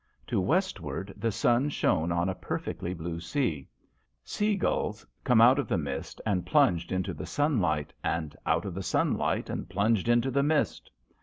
To westward the sun shone on a perfectly blue sea. Seagulls come out of the mist and plunged into the sunlight, and out of the sunlight and plunged into the mist.